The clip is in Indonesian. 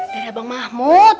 dari abang mahmud